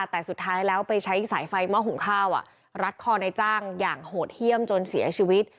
แต่สุดท้ายแล้วไปใช้สายไฟหม้อหุงข้าวรัดคอในจ้างอย่างโหดเยี่ยมจนเสียชีวิต